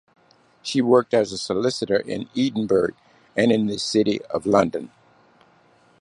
She worked as a solicitor in Edinburgh and the City of London.